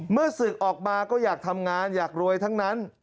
ศึกออกมาก็อยากทำงานอยากรวยทั้งนั้น